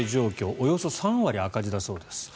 およそ３割赤字だそうです。